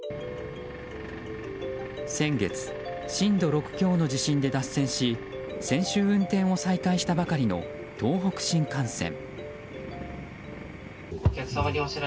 先月、震度６強の地震で脱線し先週、運転を再開したばかりの東北新幹線。